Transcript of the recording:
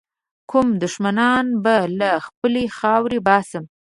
کوم دښمنان به له خپلي خاورې باسم.